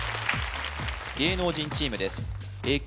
芸能人チームです